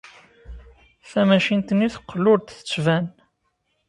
Tamacint-nni teqqel ur d-tettban.